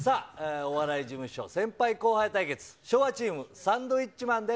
お笑い事務所先輩後輩対決、昭和チーム、サンドウィッチマンです。